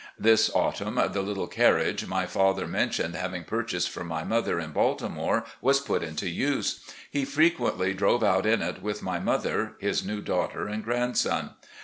This autumn the "little carriage" my father mentioned having purchased for my mother in Baltimore was put into use. He frequently drove out in it with my mother, his new daughter, and grandson.